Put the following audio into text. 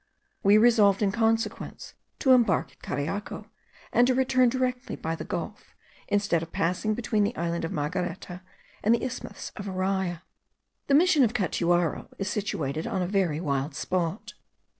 We resolved in consequence to embark at Cariaco, and to return directly by the gulf, instead of passing between the island of Margareta and the isthmus of Araya. The Mission of Catuaro is situated on a very wild spot.